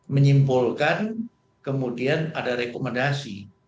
menyimpulkan kemudian ada rekomendasi